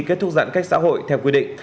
kết thúc giãn cách xã hội theo quy định